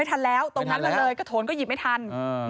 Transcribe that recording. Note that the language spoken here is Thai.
ตรงนั้นก็เลยกระโถนก็หยิบไม่ทัน